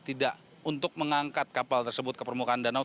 tidak untuk mengangkat kapal tersebut ke permukaan danau